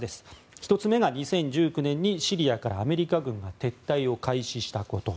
１つ目が２０１９年にシリアからアメリカ軍が撤退を開始したこと。